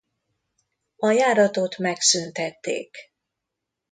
A járatot megszüntették.